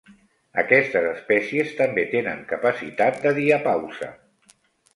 Aquestes espècies també tenen capacitat de diapausa.